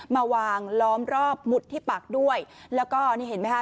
มาวางล้อมรอบหมุดที่ปากด้วยแล้วก็นี่เห็นไหมคะ